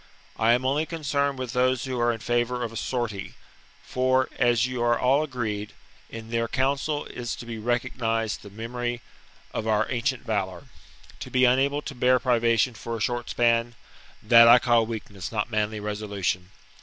I am only concerned with those who are in favour of a sortie ; for, as you are all agreed, in th eir co unsel is to be recognized the memory of our ancient valour. To be unable to bear privation for a short span, — that I call weak ness, not manly resolution.